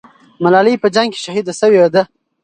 ملالۍ په جنگ کې شهیده سوې ده.